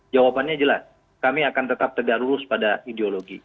jawabannya jelas kami akan tetap tegak lurus pada ideologi